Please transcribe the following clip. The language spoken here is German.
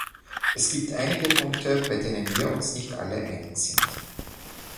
Es gibt einige Punkte, bei denen wir uns nicht alle einig sind.